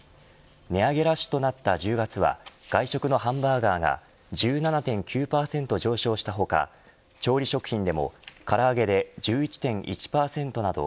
値上げラッシュとなった１０月は外食のハンバーガーが１７．９％上昇した他調理食品でも唐揚げで１１．１％など。